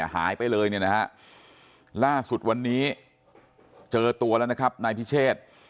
หายไปเลยเนี่ยนะฮะล่าสุดวันนี้เจอตัวแล้วนะครับนายพิเชษ